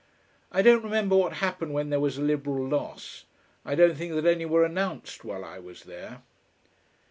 I don't remember what happened when there was a Liberal loss; I don't think that any were announced while I was there.